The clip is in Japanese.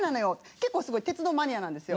結構すごい鉄道マニアなんですよ。